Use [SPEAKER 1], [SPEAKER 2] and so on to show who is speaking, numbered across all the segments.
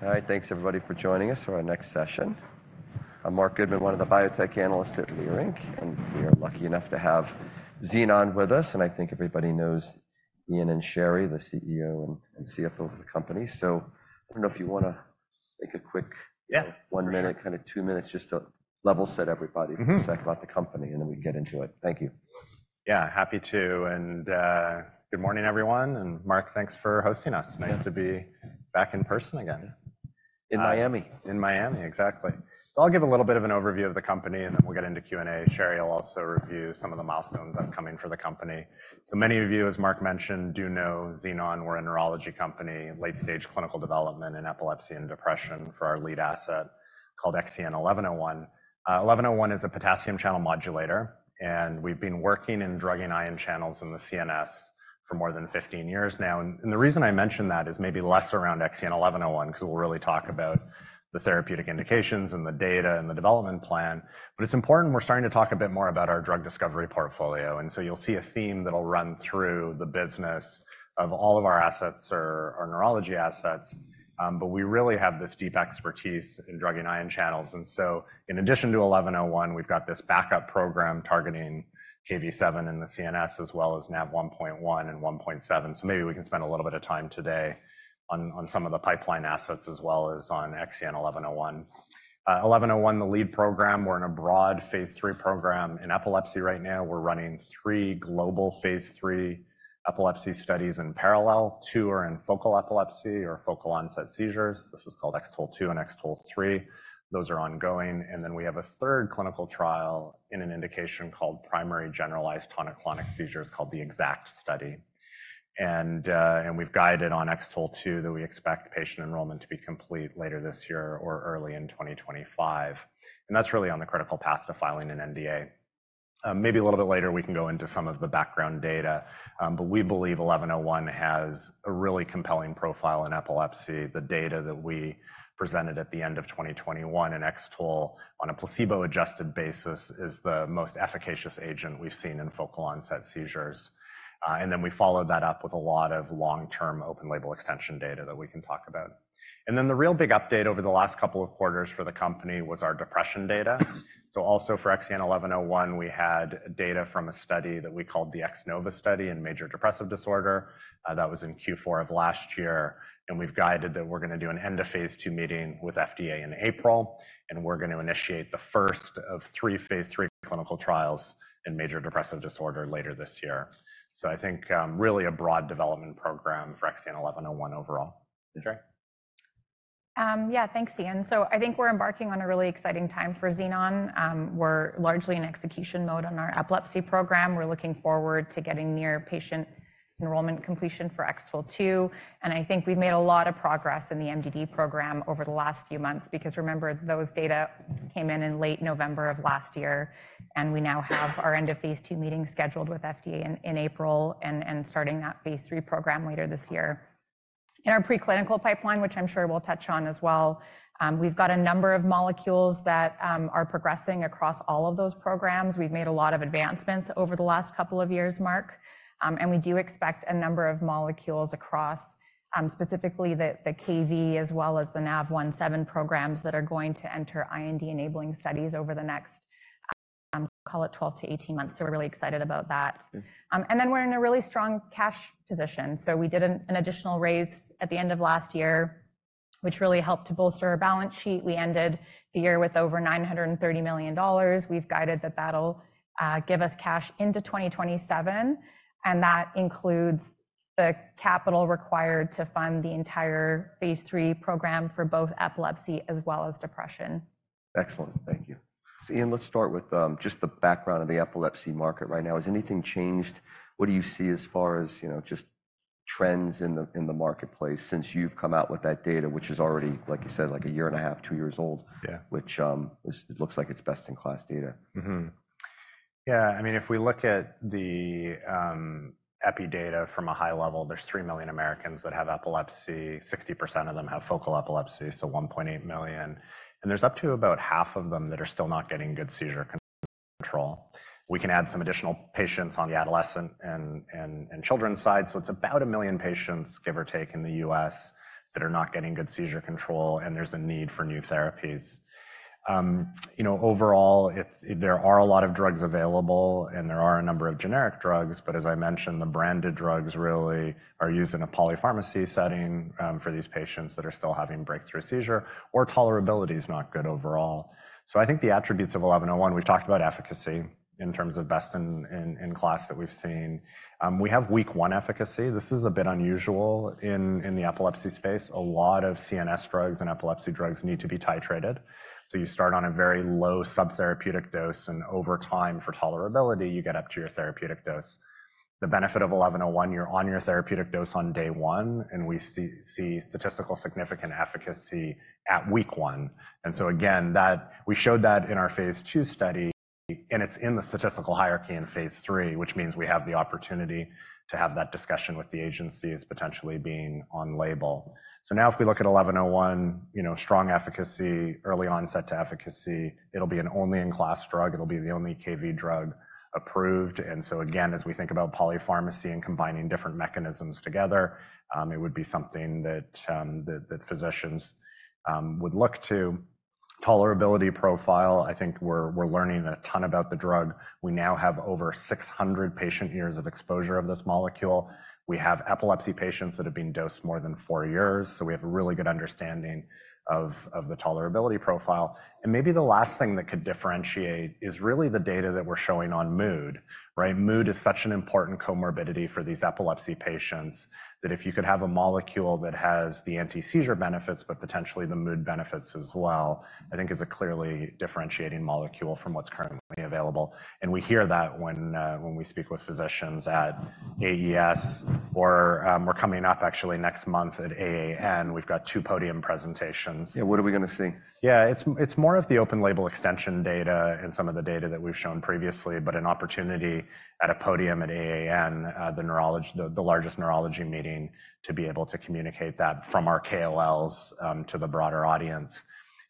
[SPEAKER 1] All right. Thanks, everybody, for joining us for our next session. I'm Marc Goodman, one of the biotech analysts at Leerink, and we are lucky enough to have Xenon with us. I think everybody knows Ian and Sherry, the CEO and CFO of the company. So I don't know if you want to take a quick one-minute, kind of two minutes, just to level set everybody for a sec about the company, and then we get into it. Thank you.
[SPEAKER 2] Yeah, happy to. Good morning, everyone. Marc, thanks for hosting us. Nice to be back in person again.
[SPEAKER 1] In Miami.
[SPEAKER 2] In Miami, exactly. So I'll give a little bit of an overview of the company, and then we'll get into Q&A. Sherry will also review some of the milestones upcoming for the company. So many of you, as Mark mentioned, do know Xenon. We're a neurology company, late-stage clinical development in epilepsy and depression for our lead asset called XEN1101. 1101 is a potassium channel modulator, and we've been working in drug and ion channels in the CNS for more than 15 years now. And the reason I mention that is maybe less around XEN1101 because we'll really talk about the therapeutic indications and the data and the development plan. But it's important we're starting to talk a bit more about our drug discovery portfolio. And so you'll see a theme that'll run through the business of all of our assets or neurology assets. But we really have this deep expertise in drug and ion channels. So in addition to 1101, we've got this backup program targeting Kv7 in the CNS, as well as Nav1.1 and Nav1.7. So maybe we can spend a little bit of time today on some of the pipeline assets, as well as on XEN1101. 1101, the lead program, we're in a broad phase III program in epilepsy right now. We're running three global phase III epilepsy studies in parallel. 2 are in focal epilepsy or focal onset seizures. This is called X-TOLE2 and X-TOLE3. Those are ongoing. Then we have a third clinical trial in an indication called primary generalized tonic-clonic seizures called the EXACT study. We've guided on X-TOLE2 that we expect patient enrollment to be complete later this year or early in 2025. That's really on the critical path to filing an NDA. Maybe a little bit later, we can go into some of the background data. But we believe 1101 has a really compelling profile in epilepsy. The data that we presented at the end of 2021 in X-TOLE on a placebo-adjusted basis is the most efficacious agent we've seen in focal onset seizures. And then we followed that up with a lot of long-term open-label extension data that we can talk about. And then the real big update over the last couple of quarters for the company was our depression data. Also for XEN1101, we had data from a study that we called the X-NOVA study in major depressive disorder. That was in Q4 of last year. We've guided that we're going to do an end-of-phase II meeting with FDA in April. And we're going to initiate the first of three phase III clinical trials in major depressive disorder later this year. So I think really a broad development program for XEN1101 overall.
[SPEAKER 3] Yeah, thanks, Ian. So I think we're embarking on a really exciting time for Xenon. We're largely in execution mode on our epilepsy program. We're looking forward to getting near patient enrollment completion for X-TOLE2. And I think we've made a lot of progress in the MDD program over the last few months because remember, those data came in in late November of last year. And we now have our end-of-phase II meeting scheduled with FDA in April and starting that phase III program later this year. In our preclinical pipeline, which I'm sure we'll touch on as well, we've got a number of molecules that are progressing across all of those programs. We've made a lot of advancements over the last couple of years, Marc. And we do expect a number of molecules across, specifically the Kv as well as the Nav1.7 programs that are going to enter IND-enabling studies over the next, call it, 12-18 months. So we're really excited about that. And then we're in a really strong cash position. So we did an additional raise at the end of last year, which really helped to bolster our balance sheet. We ended the year with over $930 million. We've guided that'll give us cash into 2027. And that includes the capital required to fund the entire phase III program for both epilepsy as well as depression.
[SPEAKER 1] Excellent. Thank you. So Ian, let's start with just the background of the epilepsy market right now. Has anything changed? What do you see as far as just trends in the marketplace since you've come out with that data, which is already, like you said, like a year and a half, two years old, which looks like it's best-in-class data?
[SPEAKER 2] Yeah. I mean, if we look at the EPI data from a high level, there's 3 million Americans that have epilepsy. 60% of them have focal epilepsy, so 1.8 million. And there's up to about half of them that are still not getting good seizure control. We can add some additional patients on the adolescent and children's side. So it's about 1 million patients, give or take, in the U.S. that are not getting good seizure control, and there's a need for new therapies. Overall, there are a lot of drugs available, and there are a number of generic drugs. But as I mentioned, the branded drugs really are used in a polypharmacy setting for these patients that are still having breakthrough seizure or tolerability is not good overall. So I think the attributes of 1101, we've talked about efficacy in terms of best-in-class that we've seen. We have week 1 efficacy. This is a bit unusual in the epilepsy space. A lot of CNS drugs and epilepsy drugs need to be titrated. So you start on a very low subtherapeutic dose, and over time, for tolerability, you get up to your therapeutic dose. The benefit of 1101, you're on your therapeutic dose on day one, and we see statistically significant efficacy at week one. And so again, we showed that in our phase II study, and it's in the statistical hierarchy in phase III, which means we have the opportunity to have that discussion with the agencies potentially being on label. So now if we look at 1101, strong efficacy, early onset to efficacy, it'll be an only-in-class drug. It'll be the only Kv drug approved. And so again, as we think about polypharmacy and combining different mechanisms together, it would be something that physicians would look to. Tolerability profile, I think we're learning a ton about the drug. We now have over 600 patient years of exposure of this molecule. We have epilepsy patients that have been dosed more than four years. So we have a really good understanding of the tolerability profile. And maybe the last thing that could differentiate is really the data that we're showing on mood, right? Mood is such an important comorbidity for these epilepsy patients that if you could have a molecule that has the anti-seizure benefits but potentially the mood benefits as well, I think is a clearly differentiating molecule from what's currently available. We hear that when we speak with physicians at AES, or we're coming up, actually, next month at AAN, we've got two podium presentations.
[SPEAKER 1] Yeah, what are we going to see?
[SPEAKER 2] Yeah, it's more of the open-label extension data and some of the data that we've shown previously, but an opportunity at a podium at AAN, the largest neurology meeting, to be able to communicate that from our KOLs to the broader audience.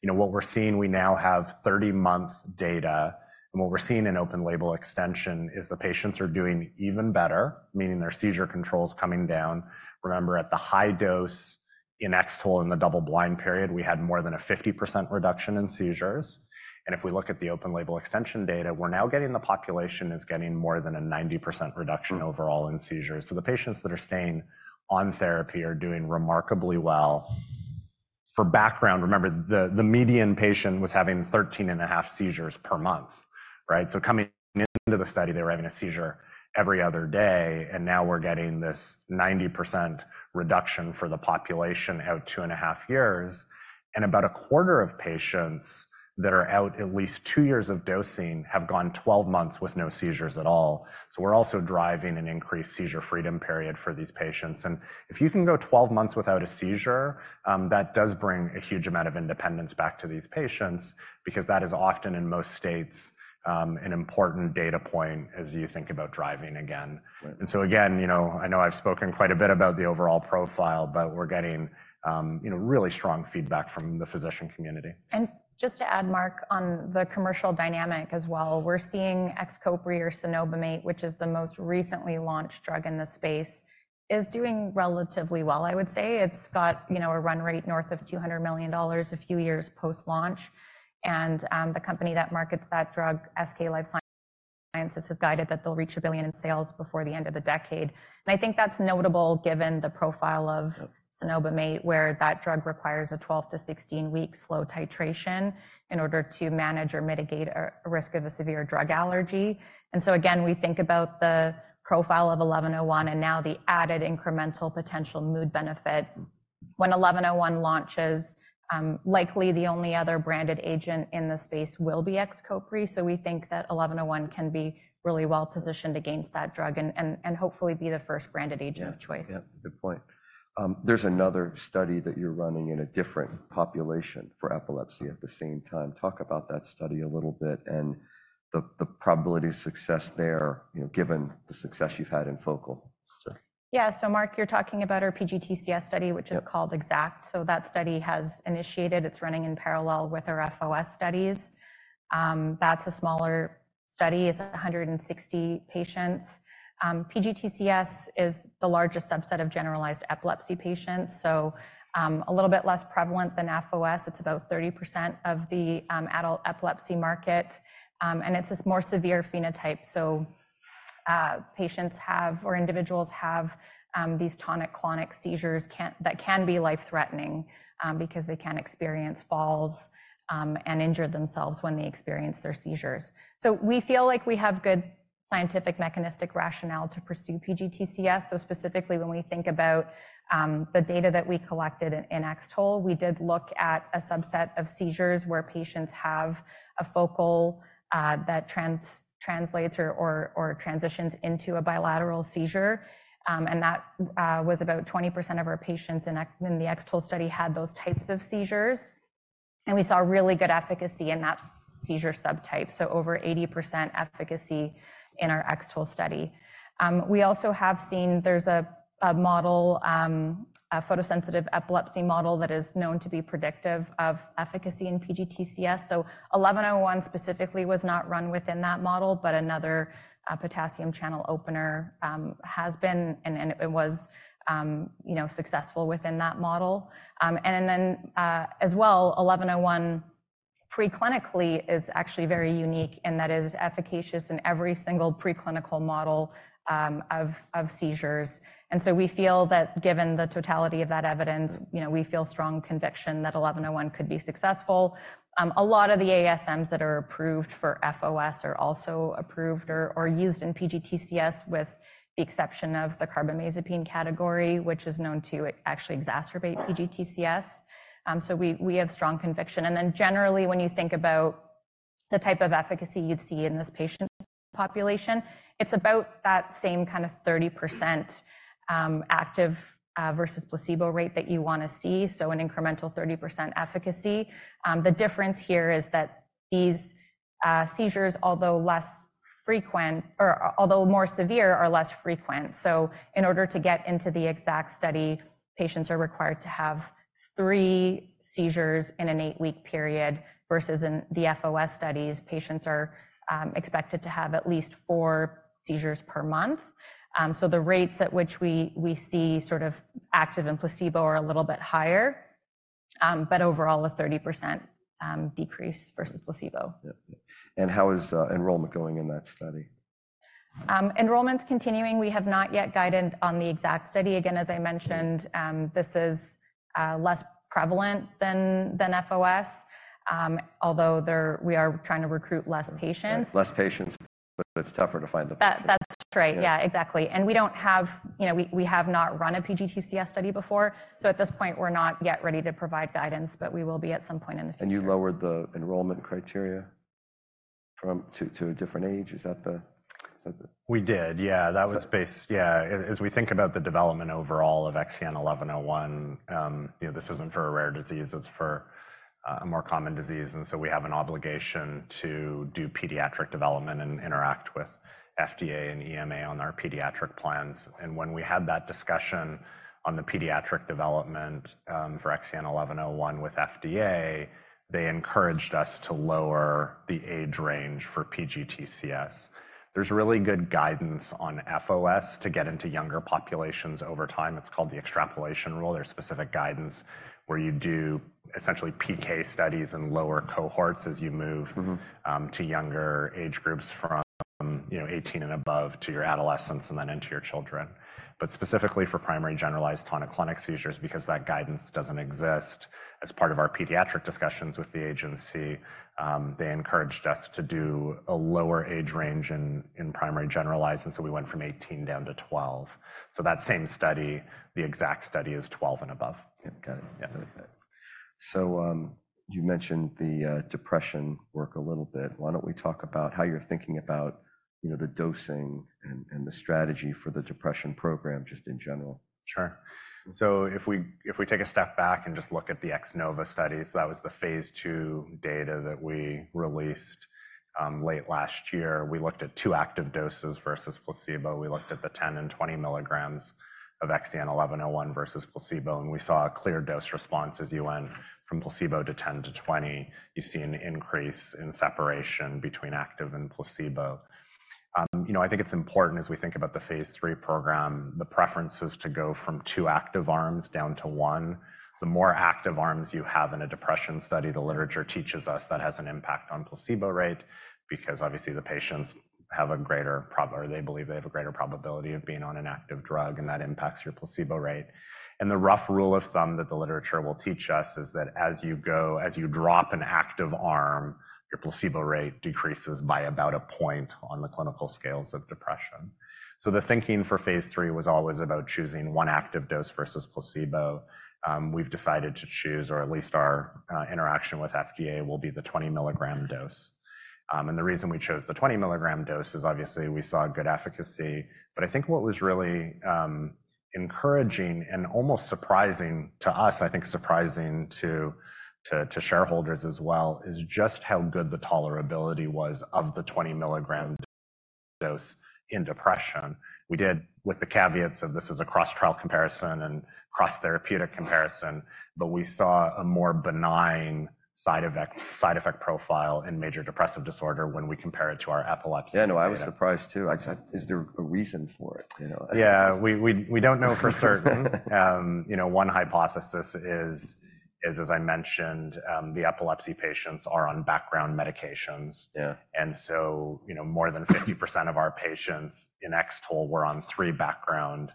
[SPEAKER 2] What we're seeing, we now have 30-month data. And what we're seeing in open-label extension is the patients are doing even better, meaning their seizure control is coming down. Remember, at the high dose in X-TOLE in the double-blind period, we had more than a 50% reduction in seizures. And if we look at the open-label extension data, we're now getting the population is getting more than a 90% reduction overall in seizures. So the patients that are staying on therapy are doing remarkably well. For background, remember, the median patient was having 13.5 seizures per month, right? So coming into the study, they were having a seizure every other day. And now we're getting this 90% reduction for the population out 2.5 years. And about a quarter of patients that are out at least two years of dosing have gone 12 months with no seizures at all. So we're also driving an increased seizure-freedom period for these patients. And if you can go 12 months without a seizure, that does bring a huge amount of independence back to these patients because that is often, in most states, an important data point as you think about driving again. And so again, I know I've spoken quite a bit about the overall profile, but we're getting really strong feedback from the physician community.
[SPEAKER 3] And just to add, Mark, on the commercial dynamic as well, we're seeing XCOPRI or cenobamate, which is the most recently launched drug in the space, is doing relatively well, I would say. It's got a run rate north of $200 million a few years post-launch. And the company that markets that drug, SK Life Science, has guided that they'll reach $1 billion in sales before the end of the decade. And I think that's notable given the profile of cenobamate, where that drug requires a 12-16-week slow titration in order to manage or mitigate a risk of a severe drug allergy. And so again, we think about the profile of 1101 and now the added incremental potential mood benefit. When 1101 launches, likely the only other branded agent in the space will be XCOPRI. We think that 1101 can be really well positioned against that drug and hopefully be the first branded agent of choice.
[SPEAKER 1] Yeah, good point. There's another study that you're running in a different population for epilepsy at the same time. Talk about that study a little bit and the probability of success there, given the success you've had in focal?
[SPEAKER 3] Yeah. So Marc, you're talking about our PGTCS study, which is called EXACT. So that study has initiated. It's running in parallel with our FOS studies. That's a smaller study. It's 160 patients. PGTCS is the largest subset of generalized epilepsy patients, so a little bit less prevalent than FOS. It's about 30% of the adult epilepsy market. And it's this more severe phenotype. So patients have or individuals have these tonic-clonic seizures that can be life-threatening because they can experience falls and injure themselves when they experience their seizures. So we feel like we have good scientific mechanistic rationale to pursue PGTCS. So specifically, when we think about the data that we collected in X-TOLE, we did look at a subset of seizures where patients have a focal that translates or transitions into a bilateral seizure. That was about 20% of our patients in the X-TOLE study had those types of seizures. We saw really good efficacy in that seizure subtype, so over 80% efficacy in our X-TOLE study. We also have seen there's a model, a photosensitive epilepsy model that is known to be predictive of efficacy in PGTCS. So 1101 specifically was not run within that model, but another potassium channel opener has been and was successful within that model. And then as well, 1101 preclinically is actually very unique in that it is efficacious in every single preclinical model of seizures. So we feel that given the totality of that evidence, we feel strong conviction that 1101 could be successful. A lot of the ASMs that are approved for FOS are also approved or used in PGTCS, with the exception of the carbamazepine category, which is known to actually exacerbate PGTCS. So we have strong conviction. And then generally, when you think about the type of efficacy you'd see in this patient population, it's about that same kind of 30% active versus placebo rate that you want to see, so an incremental 30% efficacy. The difference here is that these seizures, although less frequent or although more severe, are less frequent. So in order to get into the EXACT study, patients are required to have three seizures in an eight-week period versus in the FOS studies, patients are expected to have at least four seizures per month. The rates at which we see sort of active and placebo are a little bit higher, but overall, a 30% decrease versus placebo.
[SPEAKER 1] How is enrollment going in that study?
[SPEAKER 3] Enrollment's continuing. We have not yet guided on the EXACT study. Again, as I mentioned, this is less prevalent than FOS, although we are trying to recruit less patients.
[SPEAKER 1] Less patients, but it's tougher to find the.
[SPEAKER 3] That's right. Yeah, exactly. And we have not run a PGTCS study before. So at this point, we're not yet ready to provide guidance, but we will be at some point in the future.
[SPEAKER 1] You lowered the enrollment criteria to a different age? Is that the?
[SPEAKER 2] We did. Yeah, that was based yeah, as we think about the development overall of XEN1101, this isn't for a rare disease. It's for a more common disease. And so we have an obligation to do pediatric development and interact with FDA and EMA on our pediatric plans. And when we had that discussion on the pediatric development for XEN1101 with FDA, they encouraged us to lower the age range for PGTCS. There's really good guidance on FOS to get into younger populations over time. It's called the extrapolation rule. There's specific guidance where you do essentially PK studies and lower cohorts as you move to younger age groups from 18 and above to your adolescence and then into your children. But specifically for primary generalized tonic-clonic seizures, because that guidance doesn't exist as part of our pediatric discussions with the agency, they encouraged us to do a lower age range in primary generalized. And so we went from 18 down to 12. So that same study, the EXACT study is 12 and above.
[SPEAKER 1] Got it. So you mentioned the depression work a little bit. Why don't we talk about how you're thinking about the dosing and the strategy for the depression program just in general?
[SPEAKER 2] Sure. So if we take a step back and just look at the X-NOVA studies, that was the phase II data that we released late last year. We looked at two active doses versus placebo. We looked at the 10mg and 20 mg of XEN1101 versus placebo. And we saw a clear dose response. As you went from placebo to 10 to 20, you see an increase in separation between active and placebo. I think it's important, as we think about the phase III program, the preferences to go from two active arms down to one. The more active arms you have in a depression study, the literature teaches us that has an impact on placebo rate because obviously, the patients have a greater or they believe they have a greater probability of being on an active drug, and that impacts your placebo rate. The rough rule of thumb that the literature will teach us is that as you go, as you drop an active arm, your placebo rate decreases by about a point on the clinical scales of depression. So the thinking for phase III was always about choosing one active dose versus placebo. We've decided to choose, or at least our interaction with FDA will be the 20 mg dose. And the reason we chose the 20 mg dose is obviously, we saw good efficacy. But I think what was really encouraging and almost surprising to us, I think surprising to shareholders as well, is just how good the tolerability was of the 20 mg dose in depression. We did, with the caveats of this is a cross-trial comparison and cross-therapeutic comparison, but we saw a more benign side effect profile in major depressive disorder when we compare it to our epilepsy drug.
[SPEAKER 1] Yeah, no, I was surprised too. Is there a reason for it?
[SPEAKER 2] Yeah, we don't know for certain. One hypothesis is, as I mentioned, the epilepsy patients are on background medications. And so more than 50% of our patients in X-TOLE were on three background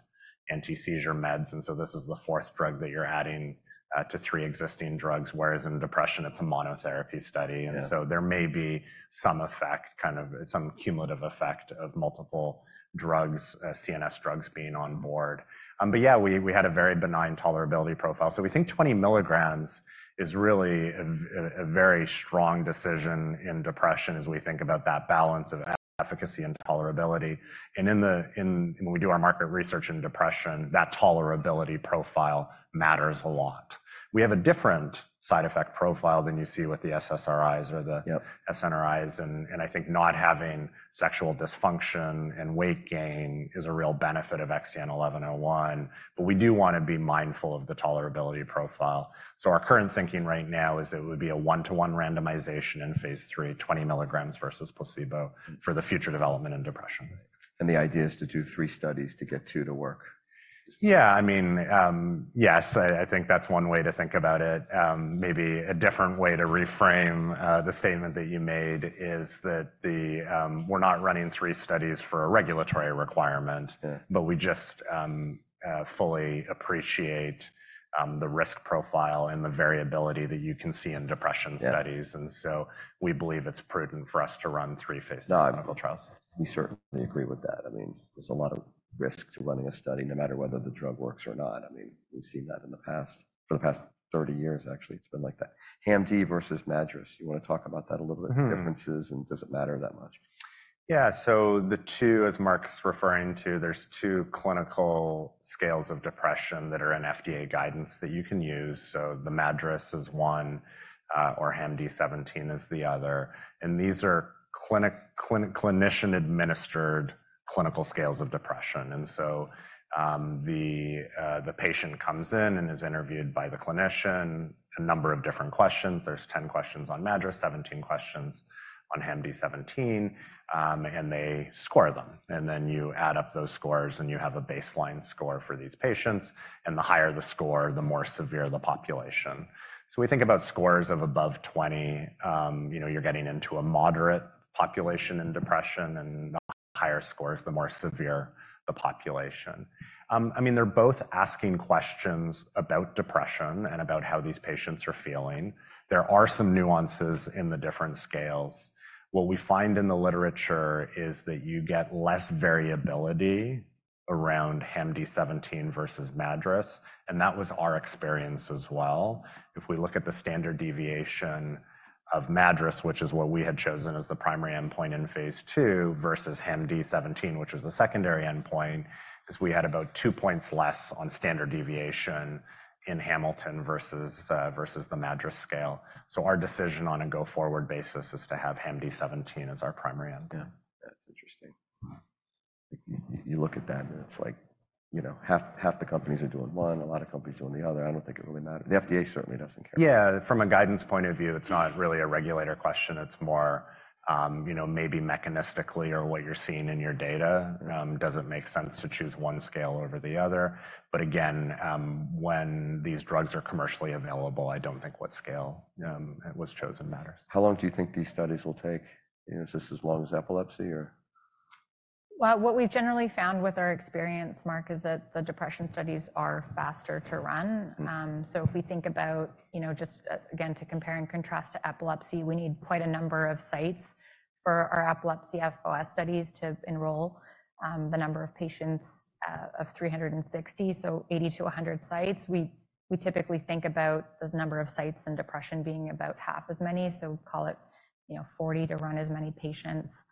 [SPEAKER 2] anti-seizure meds. And so this is the fourth drug that you're adding to three existing drugs, whereas in depression, it's a monotherapy study. And so there may be some effect, kind of some cumulative effect of multiple drugs, CNS drugs being on board. But yeah, we had a very benign tolerability profile. So we think 20 mg is really a very strong decision in depression as we think about that balance of efficacy and tolerability. And when we do our market research in depression, that tolerability profile matters a lot. We have a different side effect profile than you see with the SSRIs or the SNRIs. I think not having sexual dysfunction and weight gain is a real benefit of XEN1101. We do want to be mindful of the tolerability profile. Our current thinking right now is that it would be a 1:1 randomization in phase III, 20 mg versus placebo, for the future development in depression.
[SPEAKER 1] The idea is to do three studies to get two to work?
[SPEAKER 2] Yeah, I mean, yes, I think that's one way to think about it. Maybe a different way to reframe the statement that you made is that we're not running three studies for a regulatory requirement, but we just fully appreciate the risk profile and the variability that you can see in depression studies. And so we believe it's prudent for us to run three phase III clinical trials.
[SPEAKER 1] We certainly agree with that. I mean, there's a lot of risk to running a study no matter whether the drug works or not. I mean, we've seen that in the past for the past 30 years, actually, it's been like that. HAM-D versus MADRS, you want to talk about that a little bit? Differences and does it matter that much?
[SPEAKER 2] Yeah. So the two, as Mark's referring to, there's two clinical scales of depression that are in FDA guidance that you can use. So the MADRS is one or HAM-D17 is the other. And these are clinician-administered clinical scales of depression. And so the patient comes in and is interviewed by the clinician, a number of different questions. There's 10 questions on MADRS, 17 questions on HAM-D17, and they score them. And then you add up those scores and you have a baseline score for these patients. And the higher the score, the more severe the population. So we think about scores of above 20, you're getting into a moderate population in depression. And the higher scores, the more severe the population. I mean, they're both asking questions about depression and about how these patients are feeling. There are some nuances in the different scales. What we find in the literature is that you get less variability around HAM-D17 versus MADRS. And that was our experience as well. If we look at the standard deviation of MADRS, which is what we had chosen as the primary endpoint in phase II, versus HAM-D17, which was the secondary endpoint, because we had about two points less on standard deviation in Hamilton versus the MADRS scale. So our decision on a go-forward basis is to have HAM-D17 as our primary endpoint.
[SPEAKER 1] Yeah, that's interesting. You look at that and it's like half the companies are doing one, a lot of companies doing the other. I don't think it really matters. The FDA certainly doesn't care. Yeah, from a guidance point of view, it's not really a regulator question. It's more maybe mechanistically or what you're seeing in your data. Doesn't make sense to choose one scale over the other. But again, when these drugs are commercially available, I don't think what scale was chosen matters. How long do you think these studies will take? Is this as long as epilepsy, or?
[SPEAKER 3] Well, what we've generally found with our experience, Marc, is that the depression studies are faster to run. So if we think about just, again, to compare and contrast to epilepsy, we need quite a number of sites for our epilepsy FOS studies to enroll. The number of patients of 360, so 80-100 sites. We typically think about the number of sites in depression being about half as many. So call it 40 to run as many patients.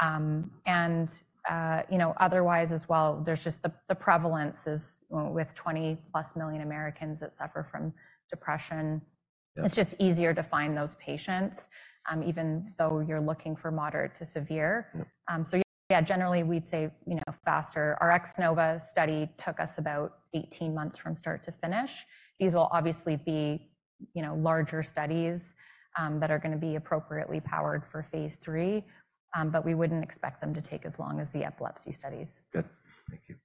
[SPEAKER 3] And otherwise as well, there's just the prevalence is with 20+ million Americans that suffer from depression, it's just easier to find those patients, even though you're looking for moderate to severe. So yeah, generally, we'd say faster. Our X-NOVA study took us about 18 months from start to finish. These will obviously be larger studies that are going to be appropriately powered for phase III, but we wouldn't expect them to take as long as the epilepsy studies.
[SPEAKER 1] Good. Thank you.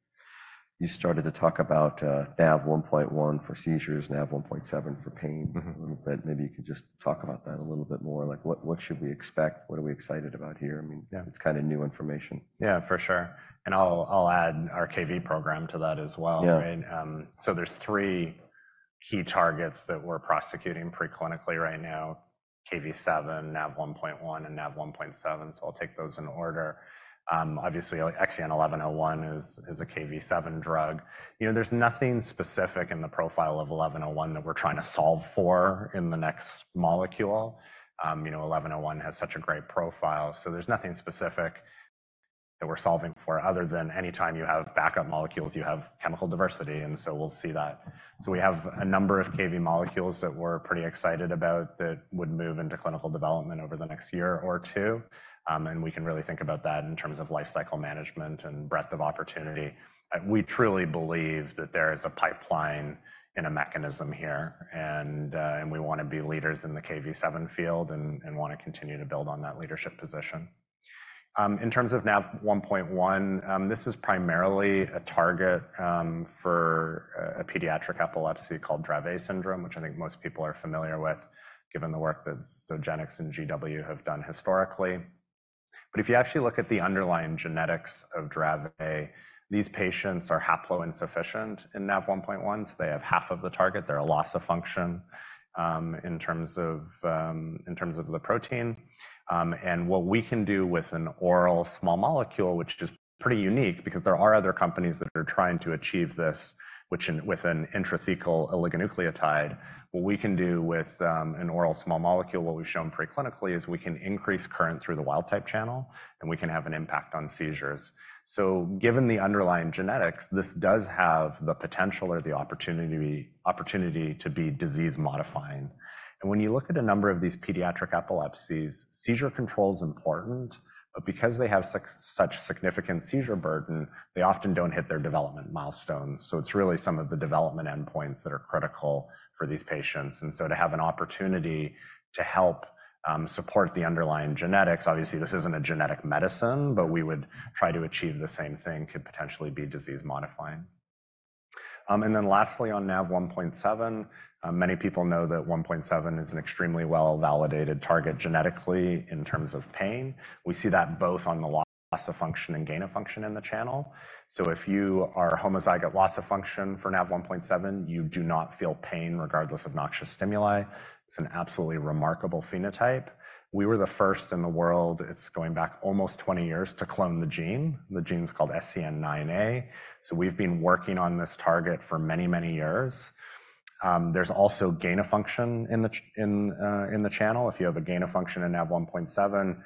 [SPEAKER 1] You started to talk about Nav1.1 for seizures, Nav1.7 for pain. But maybe you could just talk about that a little bit more. What should we expect? What are we excited about here? I mean, it's kind of new information.
[SPEAKER 2] Yeah, for sure. And I'll add our Kv7 program to that as well, right? So there's three key targets that we're prosecuting preclinically right now: Kv7, Nav1.1, and Nav1.7. So I'll take those in order. Obviously, XEN1101 is a Kv7 drug. There's nothing specific in the profile of 1101 that we're trying to solve for in the next molecule. 1101 has such a great profile. So there's nothing specific that we're solving for other than anytime you have backup molecules, you have chemical diversity. And so we'll see that. So we have a number of Kv7 molecules that we're pretty excited about that would move into clinical development over the next year or two. And we can really think about that in terms of lifecycle management and breadth of opportunity. We truly believe that there is a pipeline and a mechanism here. We want to be leaders in the Kv7 field and want to continue to build on that leadership position. In terms of Nav1.1, this is primarily a target for a pediatric epilepsy called Dravet syndrome, which I think most people are familiar with, given the work that Zogenix and GW have done historically. If you actually look at the underlying genetics of Dravet, these patients are haploinsufficient in Nav1.1. They have half of the target. They're a loss of function in terms of the protein. What we can do with an oral small molecule, which is pretty unique because there are other companies that are trying to achieve this with an intrathecal oligonucleotide, what we can do with an oral small molecule, what we've shown preclinically, is we can increase current through the wild type channel and we can have an impact on seizures. So given the underlying genetics, this does have the potential or the opportunity to be disease-modifying. And when you look at a number of these pediatric epilepsies, seizure control is important. But because they have such significant seizure burden, they often don't hit their development milestones. So it's really some of the development endpoints that are critical for these patients. And so to have an opportunity to help support the underlying genetics, obviously, this isn't a genetic medicine, but we would try to achieve the same thing, could potentially be disease-modifying. And then lastly, on Nav1.7, many people know that Nav1.7 is an extremely well-validated target genetically in terms of pain. We see that both on the loss of function and gain of function in the channel. So if you are homozygous loss of function for Nav1.7, you do not feel pain regardless of noxious stimuli. It's an absolutely remarkable phenotype. We were the first in the world, it's going back almost 20 years, to clone the gene. The gene is called SCN9A. So we've been working on this target for many, many years. There's also gain of function in the channel. If you have a gain of function in Nav1.7,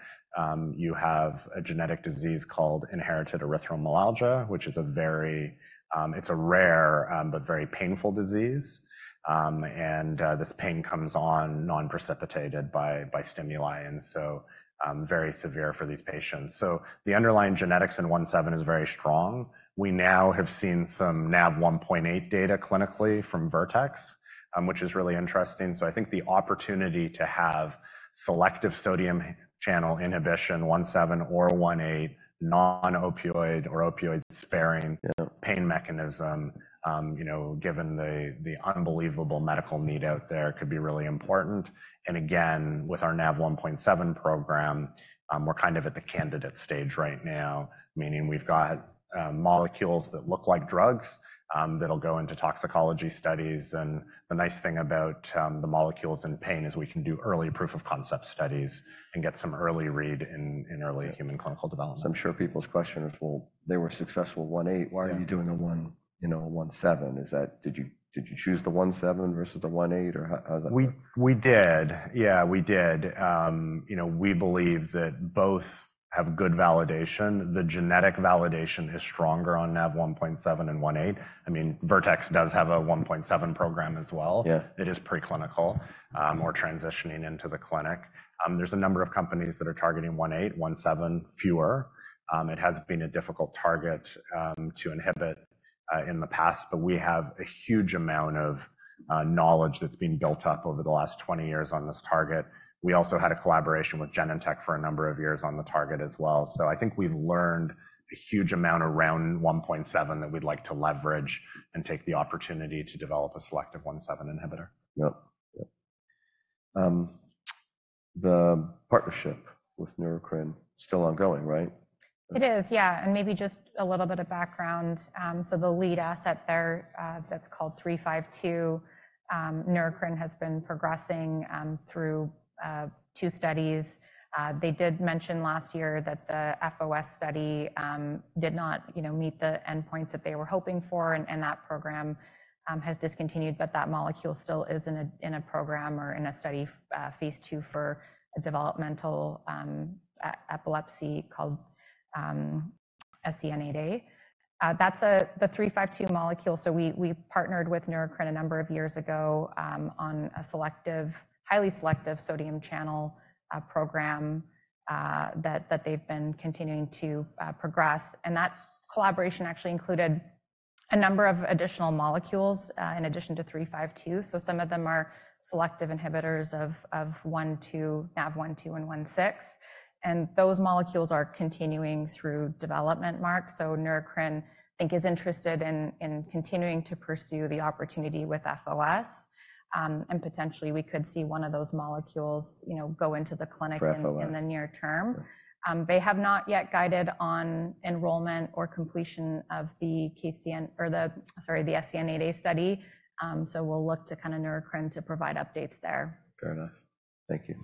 [SPEAKER 2] you have a genetic disease called inherited erythromelalgia, which is a very rare but very painful disease. And this pain comes on unprecipitated by stimuli. And so very severe for these patients. So the underlying genetics in 1.7 is very strong. We now have seen some Nav1.8 data clinically from Vertex, which is really interesting. So I think the opportunity to have selective sodium channel inhibition, 1.7 or 1.8, non-opioid or opioid-sparing pain mechanism, given the unbelievable medical need out there, could be really important. And again, with our Nav1.7 program, we're kind of at the candidate stage right now, meaning we've got molecules that look like drugs that'll go into toxicology studies. And the nice thing about the molecules in pain is we can do early proof of concept studies and get some early read in early human clinical development.
[SPEAKER 1] So I'm sure people's questions will, they were successful 1.8, why are you doing a 1.7? Did you choose the 1.7 versus the 1.8, or how is that?
[SPEAKER 2] We did. Yeah, we did. We believe that both have good validation. The genetic validation is stronger on Nav1.7 and Nav1.8. I mean, Vertex does have a Nav1.7 program as well. It is preclinical or transitioning into the clinic. There's a number of companies that are targeting Nav1.8, Nav1.7, fewer. It has been a difficult target to inhibit in the past, but we have a huge amount of knowledge that's been built up over the last 20 years on this target. We also had a collaboration with Genentech for a number of years on the target as well. So I think we've learned a huge amount around Nav1.7 that we'd like to leverage and take the opportunity to develop a selective Nav1.7 inhibitor.
[SPEAKER 1] Yep. The partnership with Neurocrine is still ongoing, right?
[SPEAKER 3] It is, yeah. And maybe just a little bit of background. So the lead asset there that's called 352, Neurocrine has been progressing through two studies. They did mention last year that the FOS study did not meet the endpoints that they were hoping for, and that program has discontinued. But that molecule still is in a program or in a study phase II for a developmental epilepsy called SCN8A. That's the 352 molecule. So we partnered with Neurocrine a number of years ago on a highly selective sodium channel program that they've been continuing to progress. And that collaboration actually included a number of additional molecules in addition to 352. So some of them are selective inhibitors of 1.2, Nav1.2, and 1.6. And those molecules are continuing through development, Marc. So Neurocrine, I think, is interested in continuing to pursue the opportunity with FOS. Potentially, we could see one of those molecules go into the clinic in the near term. They have not yet guided on enrollment or completion of the KCN or, sorry, the SCN8A study. We'll look to kind of Neurocrine to provide updates there.
[SPEAKER 1] Fair enough. Thank you.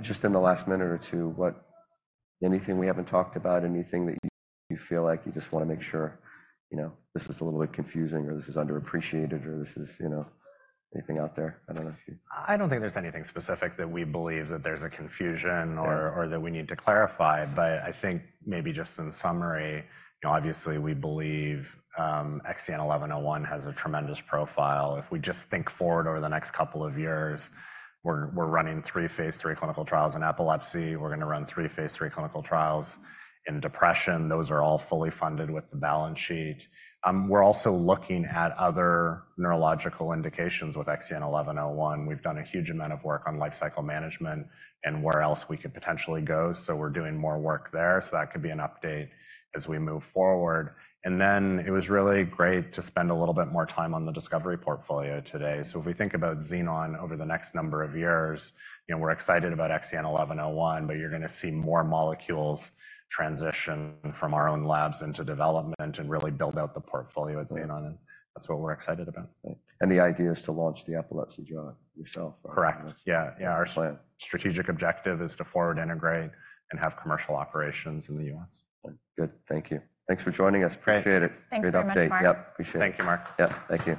[SPEAKER 1] Just in the last minute or two, anything we haven't talked about, anything that you feel like you just want to make sure this is a little bit confusing or this is underappreciated or this is anything out there? I don't know if you.
[SPEAKER 2] I don't think there's anything specific that we believe that there's a confusion or that we need to clarify. But I think maybe just in summary, obviously, we believe XEN1101 has a tremendous profile. If we just think forward over the next couple of years, we're running three phase III clinical trials in epilepsy. We're going to run three phase III clinical trials in depression. Those are all fully funded with the balance sheet. We're also looking at other neurological indications with XEN1101. We've done a huge amount of work on lifecycle management and where else we could potentially go. So we're doing more work there. So that could be an update as we move forward. And then it was really great to spend a little bit more time on the discovery portfolio today. If we think about Xenon over the next number of years, we're excited about XEN1101, but you're going to see more molecules transition from our own labs into development and really build out the portfolio at Xenon. That's what we're excited about.
[SPEAKER 1] The idea is to launch the epilepsy drug yourself, right?
[SPEAKER 2] Correct. Yeah. Yeah. Our strategic objective is to forward integrate and have commercial operations in the U.S.
[SPEAKER 1] Good. Thank you. Thanks for joining us. Appreciate it. Great update. Yep. Appreciate it.
[SPEAKER 2] Thank you, Mark.
[SPEAKER 1] Yep. Thank you.